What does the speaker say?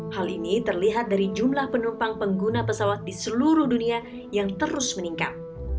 hal ini terlihat dari jumlah penumpang pengguna pesawat di seluruh dunia yang terus meningkat